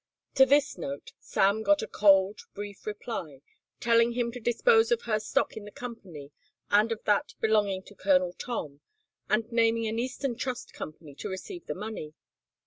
To this note Sam got a cold, brief reply telling him to dispose of her stock in the company and of that belonging to Colonel Tom, and naming an eastern trust company to receive the money.